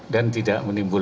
dan tidak menimbulkan